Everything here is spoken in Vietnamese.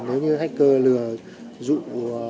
nếu như hacker lừa dụ